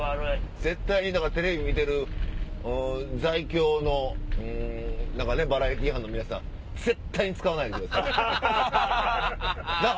だからテレビ見てる在京のバラエティー班の皆さん絶対に使わないでください。なぁ？